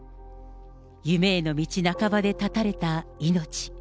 夢への道半ばで絶たれた命。